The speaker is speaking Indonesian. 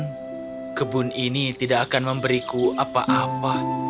dan kebun ini tidak akan memberiku apa apa